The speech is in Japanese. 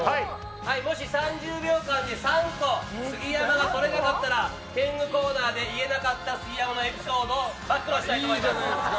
もし３０秒間で３個杉山が取れなかったら天狗コーナーで言えなかった杉山のエピソードを暴露したいと思います。